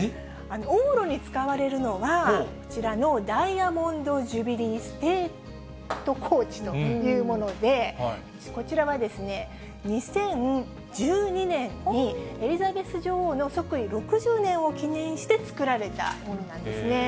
往路に使われるのは、こちらのダイヤモンド・ジュビリー・ステート・コーチというもので、こちらは２０１２年に、エリザベス女王の即位６０年を記念して作られたものなんですね。